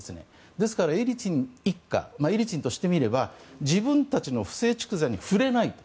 ですからエリツィン一家エリツィンとしてみれば自分たちの不正蓄財に触れない。